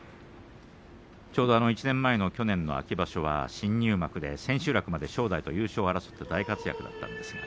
ちょうど１年前の去年の秋場所は新入幕で千秋楽まで正代と優勝争いで大活躍でした。